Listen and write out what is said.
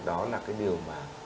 đó là cái điều mà